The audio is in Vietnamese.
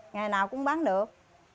ngày nào cũng bán được